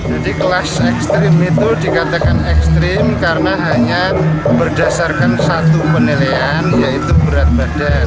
jadi kelas ekstrim itu dikatakan ekstrim karena hanya berdasarkan satu penilaian yaitu berat badan